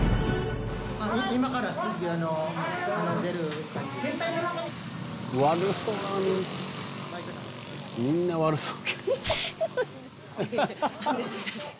みんな悪そう。